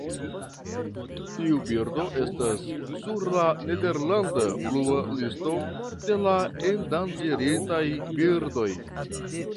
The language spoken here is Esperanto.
Tiu birdo estas sur la "Nederlanda Blua Listo" de la endanĝeritaj birdoj.